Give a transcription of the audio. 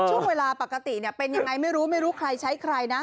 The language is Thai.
ช่วงเวลาปกติเป็นยังไงไม่รู้ไม่รู้ใครใช้ใครนะ